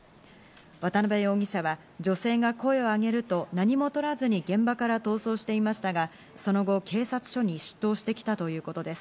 渡辺容疑者は、女性が声を上げると何も取らずに現場から逃走していましたが、その後、警察署に出頭してきたということです。